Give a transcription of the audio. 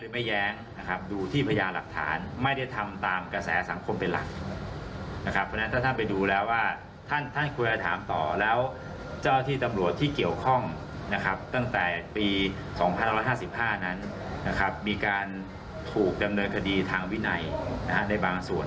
มีการถูกดำเนินคดีทางวินัยในบางส่วน